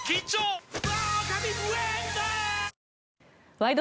「ワイド！